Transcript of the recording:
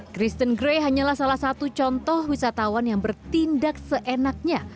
kristen gray hanyalah salah satu contoh wisatawan yang bertindak seenaknya